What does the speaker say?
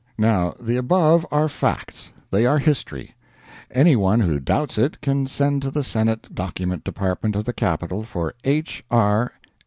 Now the above are facts. They are history. Any one who doubts it can send to the Senate Document Department of the Capitol for H. R.